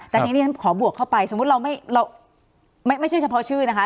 แต่ทีนี้ขอบวกเข้าไปสมมุติเราไม่เราไม่ไม่ใช่เฉพาะชื่อนะคะ